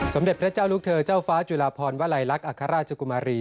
เด็จพระเจ้าลูกเธอเจ้าฟ้าจุลาพรวลัยลักษณ์อัครราชกุมารี